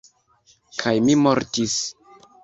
Kaj mi mortis.